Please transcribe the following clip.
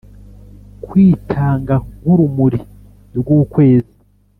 kwitanga nk'urumuri rw'ukwezi